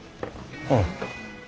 うん。